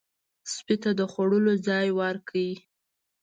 سپي ته د خوړلو ځای ورکړئ.